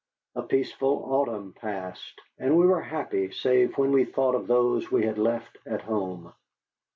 A peaceful autumn passed, and we were happy save when we thought of those we had left at home.